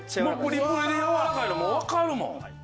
プリプリでやわらかいのわかるもん。